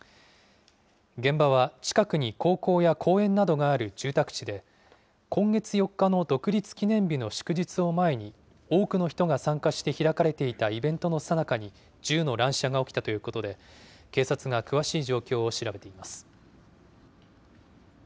現場は近くに高校や公園などがある住宅地で、今月４日の独立記念日の祝日を前に、多くの人が参加して開かれていたイベントのさなかに銃の乱射が起きたということで、警察が詳しい状況を調べています。